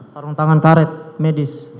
sarung tangan karet medis